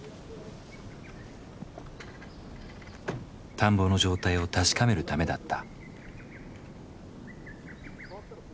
田んぼの状態を確かめるためだった。